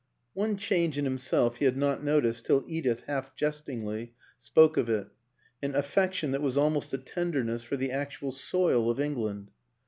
One change in himself he had not noticed till Edith, half jestingly, spoke of it: an affection that was almost a tenderness for the actual soil of England.